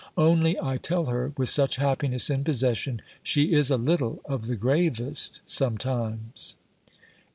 Only I tell her, with such happiness in possession, she is a little of the gravest sometimes.